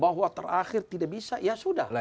bahwa terakhir tidak bisa ya sudah lah